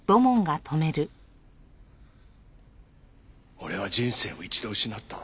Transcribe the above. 俺は人生を一度失った。